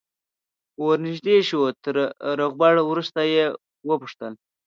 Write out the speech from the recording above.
ور نژدې شو تر روغبړ وروسته یې وپوښتل.